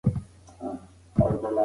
د تړونونو درناوی يې لازم باله.